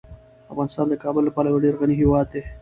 افغانستان د کابل له پلوه یو ډیر غني هیواد دی.